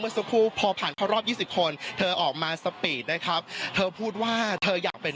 สักครู่พอผ่านเข้ารอบ๒๐คนเธอออกมาสปีดนะครับเธอพูดว่าเธออยากเป็น